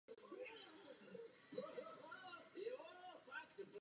Za těchto okolností se volby nemohly odehrát bez jakékoli pochybnosti.